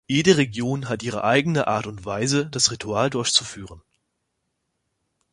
Jede Region hat ihre eigene Art und Weise das Ritual durchzuführen.